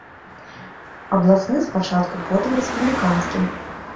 Абласны спачатку, потым рэспубліканскі.